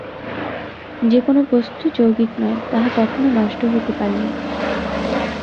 যে-কোন বস্তু যৌগিক নয়, তাহা কখনও নষ্ট হইতে পারে না।